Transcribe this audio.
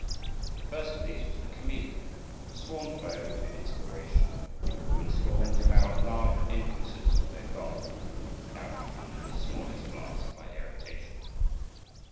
The first of these was the chameleon, sworn foe to inspiration, who in scorn devoured large influences of their god, without refunding the smallest blast by eructation.